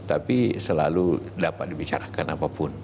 tapi selalu dapat dibicarakan apapun